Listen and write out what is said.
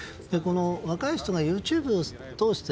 若い人がＹｏｕＴｕｂｅを通して